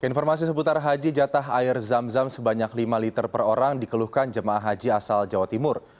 informasi seputar haji jatah air zam zam sebanyak lima liter per orang dikeluhkan jemaah haji asal jawa timur